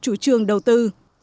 các bộ ngành trung ương đầu tư